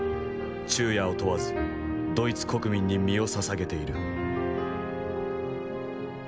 昼夜を問わずドイツ国民に身をささげている」。